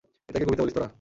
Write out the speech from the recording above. এটাকে কবিতা বলিস তোরা?